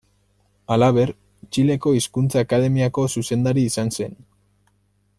Halaber, Txileko Hizkuntza Akademiako zuzendari izan zen.